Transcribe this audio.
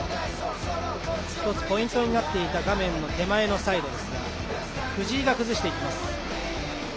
一つ、ポイントになっていたサイドですが藤井が崩していきます。